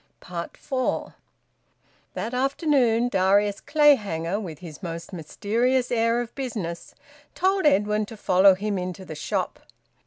FOUR. That afternoon Darius Clayhanger, with his most mysterious air of business, told Edwin to follow him into the shop.